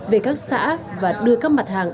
về các xã và đưa các mặt hàng